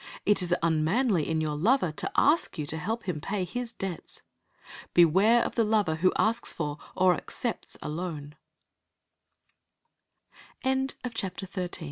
It is unmanly in your lover to ask you to help him pay his debts. Beware of the lover who asks for or accepts a loan. To The Rev. Wilton Mar